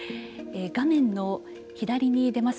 画面の左に出ます